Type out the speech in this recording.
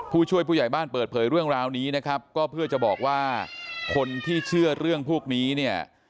ผู้ช่วยผู้ใหญ่บ้านเปิดเผยเรื่องราวนี้นะครับก็เพื่อจะบอกว่าคนที่เชื่อเรื่องพวกนี้เนี่ย